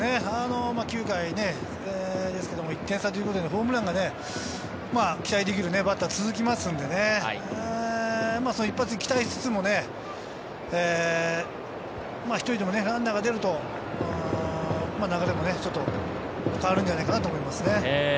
９回ですけれども１点差ということで、ホームランが期待できるバッターが続きますので、一発に期待しつつも、１人でもランナーが出ると流れもちょっと変わるんじゃないかなと思います。